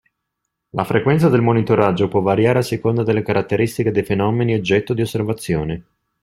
La frequenza del monitoraggio può variare a seconda delle caratteristiche dei fenomeni oggetto di osservazione.